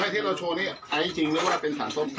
ที่เราโชว์นี่ไอซ์จริงหรือเป็นสารส้ม